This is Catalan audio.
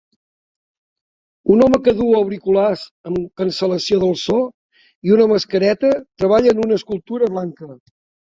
Un home que duu auriculars amb cancel·lació del so i una mascareta treballa en una escultura blanca